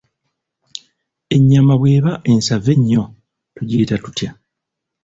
Ennyama bweba ensava nnyo tugiyita tutya?